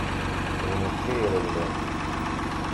D nekk ay irewlen.